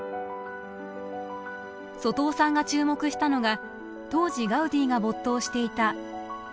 外尾さんが注目したのが当時ガウディが没頭していた色の実験。